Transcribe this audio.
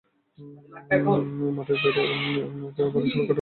মাঠের বাইরে যতই ভালো সময় কাটুক, কোথায় যেন একটা অতৃপ্তি চেনচোর রয়েই গেছে।